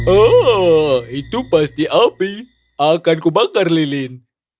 oh itu pasti api akanku bakar lilin